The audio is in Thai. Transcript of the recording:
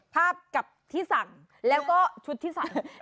ภาพกับที่สั่งแล้วก็ชุดที่สั่ง